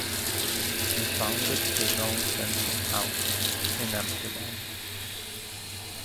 He founded his own fencing house in Amsterdam.